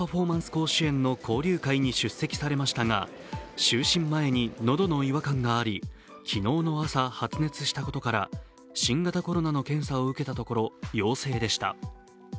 甲子園の交流会に出席されましたが就寝前に喉の違和感があり、昨日の朝、発熱したことから新型コロナの検査を受けたところ、陽性でした。